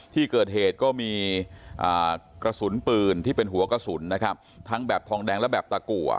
ที่เกิดเหตุก็มีกระสุนปืนที่เป็นหัวกระสุนนะครับทั้งแบบทองแดงและแบบตะกัว